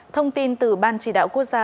thông tin từ ban chỉ đạo quốc gia